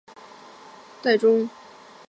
承圣初历官至侍中。